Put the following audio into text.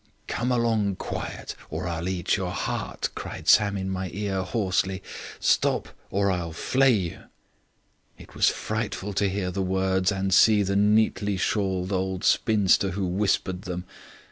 "'Come along quiet, or I'll eat your heart,' cried Sam in my ear hoarsely. 'Stop, or I'll flay you.' It was frightful to hear the words and see the neatly shawled old spinster who whispered them.